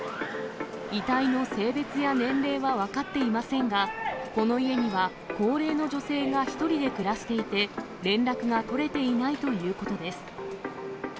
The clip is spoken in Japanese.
遺体の性別や年齢は分かっていませんが、この家には高齢の女性が１人で暮らしていて、連絡が取れていないということです。